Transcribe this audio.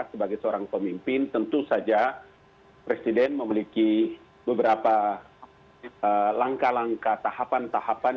sebagai seorang pemimpin tentu saja presiden memiliki beberapa langkah langkah tahapan tahapan